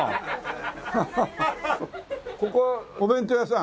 ここはお弁当屋さん？